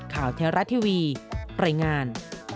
ข่าวเทราะทีวีปรายงาน